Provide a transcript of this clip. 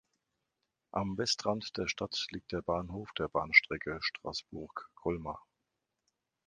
Am Westrand der Stadt liegt der Bahnhof der Bahnstrecke Strasbourg–Colmar.